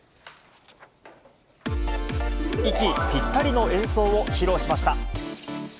息ぴったりの演奏を披露しました。